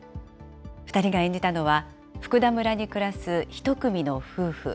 ２人が演じたのは、福田村に暮らす１組の夫婦。